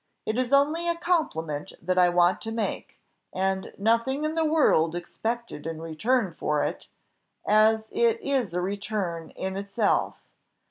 It is only a compliment that I want to make, and nothing in the world expected in return for it as it is a return in itself.